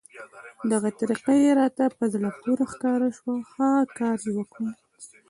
دغه طریقه یې راته په زړه پورې ښکاره شوه، ښه کار یې وکړ.